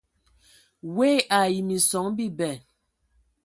Woe ai minson bibɛ.